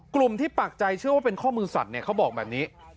กลุ่มที่ปากใจเชื่อว่าเป็นข้อมือสัตว์เนี่ย